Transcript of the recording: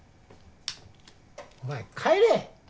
お前帰れ！